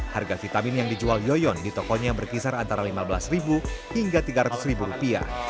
harga vitamin yang dijual yoyon di tokonya berkisar antara rp lima belas hingga rp tiga ratus